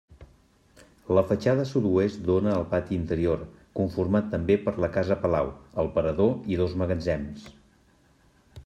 La fatxada sud-oest dóna al pati interior conformat també per la casa palau, el parador i dos magatzems.